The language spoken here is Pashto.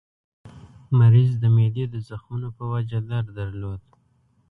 مریض د معدې د زخمونو په وجه درد درلود.